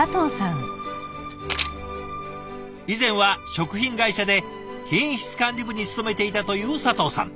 以前は食品会社で品質管理部に勤めていたという佐藤さん。